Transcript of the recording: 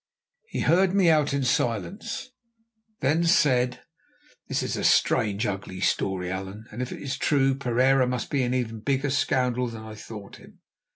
He heard me out in silence, then said: "This is a strange and ugly story, Allan, and if it is true, Pereira must be an even bigger scoundrel than I thought him.